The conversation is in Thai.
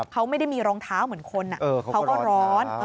เขาไม่ได้มีรองเท้าเหมือนคนเขาก็ร้อน